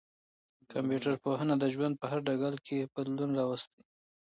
کمپيوټر پوهنه د ژوند په هر ډګر کي بدلون راوستی.